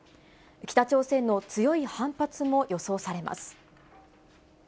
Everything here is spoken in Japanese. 北朝鮮の強い反発も予想されます。